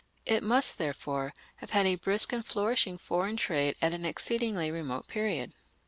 It must, therefore, have had a brisk and flourishing foreign trade at an exceedingly remote period.